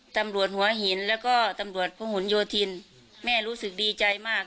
ตำรวจหัวหินแล้วก็ตำรวจพระหลโยธินแม่รู้สึกดีใจมาก